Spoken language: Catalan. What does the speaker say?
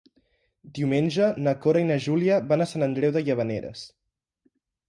Diumenge na Cora i na Júlia van a Sant Andreu de Llavaneres.